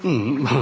あ